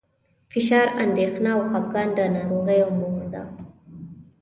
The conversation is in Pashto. فشار، اندېښنه او خپګان د ناروغیو مور ده.